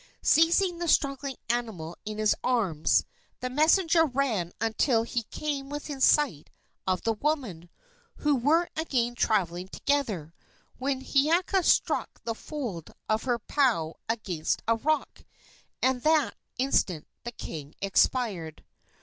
Seizing the struggling animal in his arms, the messenger ran until he came within sight of the women, who were again traveling together, when Hiiaka struck the fold of her pau against a rock, and that instant the king expired.